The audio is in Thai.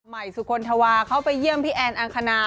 สุคลธวาเข้าไปเยี่ยมพี่แอนอังคณา